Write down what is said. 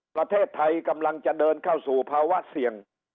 ประเทศไทยกำลังจะเดินเข้าสู่ภาวะเสี่ยง